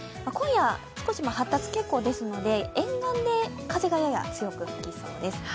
今夜、少し発達傾向ですので沿岸で風がやや強く吹きそうです。